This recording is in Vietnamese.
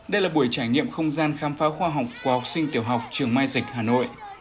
đây là buổi trải nghiệm không gian khám phá khoa học của học sinh tiểu học trường mai dịch hà nội